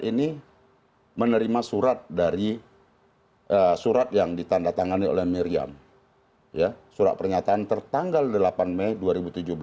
karena dia menerima surat dari surat yang ditanda tangan oleh miriam ya surat pernyataan tertanggal delapan mei dua ribu tujuh belas